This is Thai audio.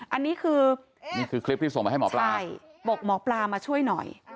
อันนี้คือใช่บอกหมอปลามาช่วยหน่อยคือนี่คือคลิปที่ส่งมาให้หมอปลา